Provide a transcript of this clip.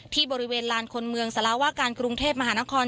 ที่บริเวณลานคนเมืองสารวาการกรุงเทพมหานคร